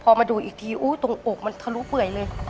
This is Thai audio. พอมาดูอีกทีอู้ตรงอกมันทะลุเปื่อยเลย